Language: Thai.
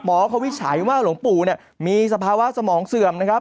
หมอเขาวิจัยว่าหลวงปู่เนี่ยมีสภาวะสมองเสื่อมนะครับ